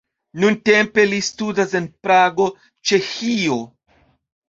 Nuntempe li studas en Prago, Ĉeĥio.